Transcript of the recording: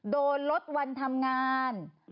โดนลดวันทำงาน